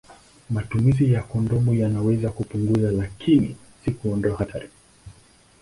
Matumizi ya kondomu yanaweza kupunguza, lakini si kuondoa hatari.